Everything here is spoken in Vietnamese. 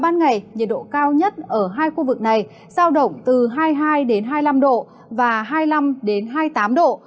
nhiệt độ cao nhất ở hai khu vực này giao động từ hai mươi hai hai mươi năm độ và hai mươi năm hai mươi tám độ